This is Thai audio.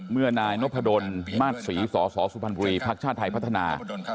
เมื่อนายนพดนมาสศรีสสสวพลักชาติไทยพัฒนา